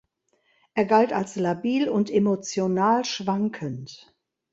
Er galt als labil und emotional schwankend.